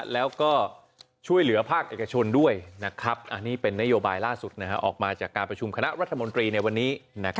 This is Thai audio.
แล้วก็ช่วยเหลือภาคเอกชนด้วยอันนี้เป็นนโยบายล่าสุดออกมาจากการประชุมคณะรัฐมนตรีในวันนี้